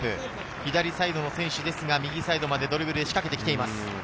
左サイドの選手ですが右サイドまでドリブルで仕掛けてきています。